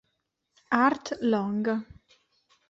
Art Long